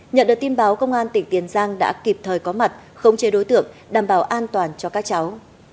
nhận được tin báo công an tỉnh tiền giang đã kịp thời có mặt khống chế đối tượng đảm bảo an toàn cho các cháu